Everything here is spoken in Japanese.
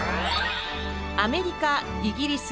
アメリカイギリス